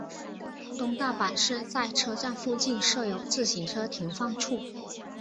东大阪市在车站附近设有自行车停放处。